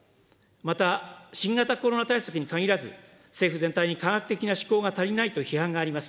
また新型コロナ対策に限らず、政府全体に科学的な思考が足りないと批判があります。